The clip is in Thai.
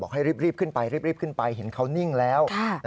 ให้รีบขึ้นไปรีบขึ้นไปเห็นเขานิ่งแล้ว